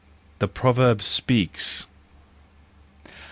The Proverb Speaks .